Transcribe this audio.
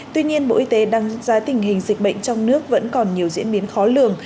tuy nhiên bộ y tế đánh giá tình hình dịch bệnh trong nước vẫn còn nhiều diễn biến khó lường